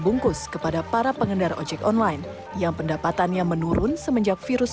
bungkus kepada para pengendara ojek online yang pendapatannya menurun semenjak virus